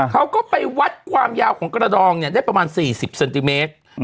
เขาก็ไปวัดความยาวของกระดองเนี่ยได้ประมาณ๔๐เซนติเมตร